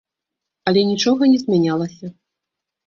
Але нічога не змянялася.